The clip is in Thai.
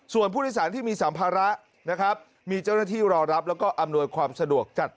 ส่วนผู้โดยสารที่มีสัมภาระนะครับมีเจ้าหน้าที่รอรับแล้วก็อำนวยความสะดวกจัด